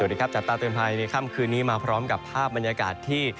สวัสดีครับจับตาเตือนภัยในค่ำคืนนี้มาพร้อมกับภาพบรรยากาศที่